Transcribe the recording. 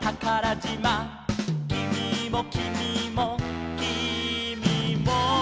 「きみもきみもきみも」